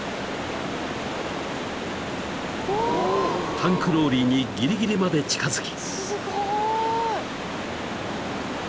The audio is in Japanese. ［タンクローリーにぎりぎりまで近づき］